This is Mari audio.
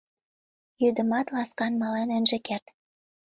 Йӱдымат ласкан мален ынже керт.